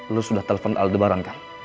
lo sudah telepon aldebaran kan